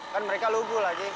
kan mereka lugu lagi